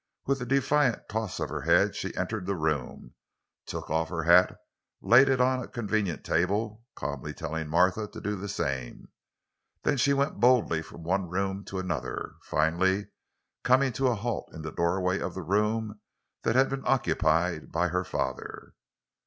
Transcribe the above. With a defiant toss of her head she entered the room, took off her hat, laid it on a convenient table, calmly telling Martha to do the same. Then she went boldly from one room to another, finally coming to a halt in the doorway of the room that had been occupied by her father.